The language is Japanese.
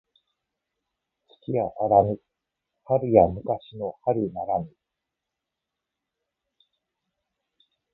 月やあらぬ春や昔の春ならぬ